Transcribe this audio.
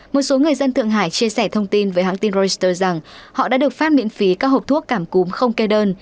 một số người dân thượng hải chia sẻ thông tin với hãng tin reuters rằng họ đã được phát miễn phí các hộp thuốc cảm cúm không kê đơn